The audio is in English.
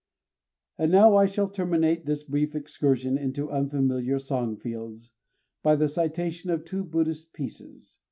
And now I shall terminate this brief excursion into unfamiliar song fields by the citation of two Buddhist pieces.